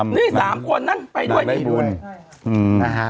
นี่๓คนนั้นไปด้วย